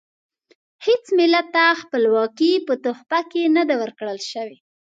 هیڅ ملت ته خپلواکي په تحفه کې نه ده ورکړل شوې.